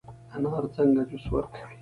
انار څنګه جوس ورکوي؟